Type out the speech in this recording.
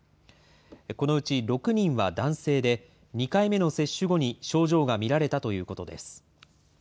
このうち６人は男性で、２回目の接種後に症状が見られたということです。